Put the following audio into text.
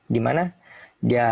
di mana dia